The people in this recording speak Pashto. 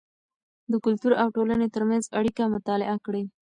د کلتور او ټولنې ترمنځ اړیکه مطالعه کړئ.